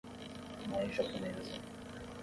Mãe japonesa